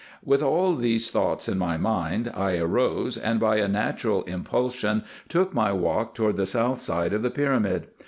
With all these thoughts in my mind I arose, and by a natural impulsion took my walk toward the south side of the pyramid.